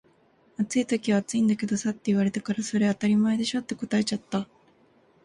「暑い時は暑いんだけどさ」って言われたから「それ当たり前でしょ」って答えちゃった